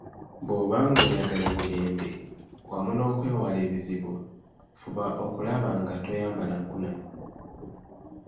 Bw'oba ng'oyagala emirembe wamu n'okwewala ebizibu, fuba okulaba nga toyambala nkunamyo.